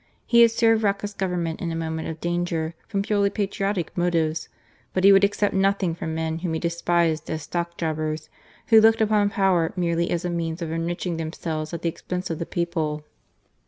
He had served Roca's Government in a moment of danger from purely patriotic motives ; but he would accept nothing from men whom he despised as stock THE AVENGER. 35 jobbers who looked upon power merely as a means of enriching themselves at the expense of the people.